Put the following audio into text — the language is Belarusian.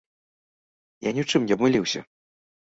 Я ні ў чым не абмыліўся!